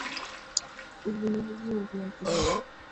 uvunaji wa viazi lishe